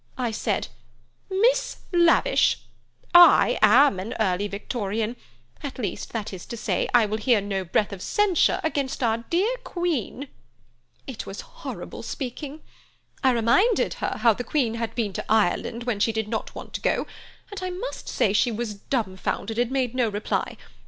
I said: 'Miss Lavish, I am an early Victorian; at least, that is to say, I will hear no breath of censure against our dear Queen.' It was horrible speaking. I reminded her how the Queen had been to Ireland when she did not want to go, and I must say she was dumbfounded, and made no reply.